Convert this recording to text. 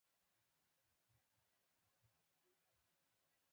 الوتکه کښته شوه.